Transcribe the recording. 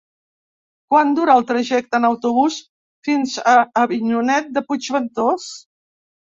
Quant dura el trajecte en autobús fins a Avinyonet de Puigventós?